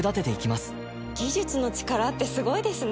技術の力ってスゴイですね！